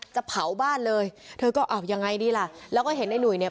จะเผาบ้านเลยเธอก็อ้าวยังไงดีล่ะแล้วก็เห็นในหุยเนี่ย